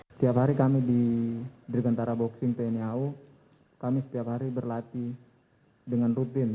setiap hari kami di dirgantara boxing tni au kami setiap hari berlatih dengan rutin